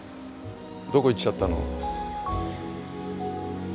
どこ行っちゃったの？